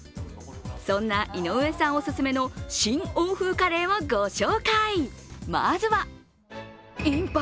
そんな井上さんおすすめの新欧風カレーをご紹介。